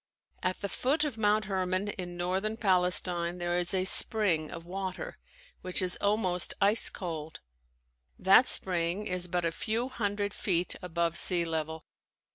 At the foot of Mount Herman in northern Palestine there is a spring of water that is almost ice cold. That spring is but a few hundred feet above sea level.